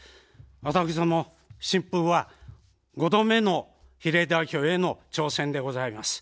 私ども新風は５度目の比例代表への挑戦でございます。